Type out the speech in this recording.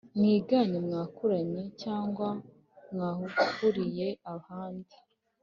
mwiganye mwakuranye cg mwahuriye ahandi